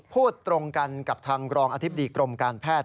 พูดตรงกันกับทางรองอธิบดีกรมการแพทย์